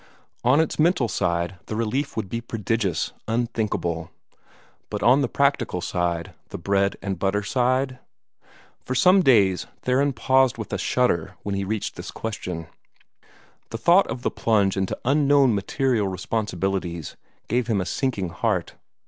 On its mental side the relief would be prodigious, unthinkable. But on the practical side, the bread and butter side? For some days Theron paused with a shudder when he reached this question. The thought of the plunge into unknown material responsibilities gave him a sinking heart.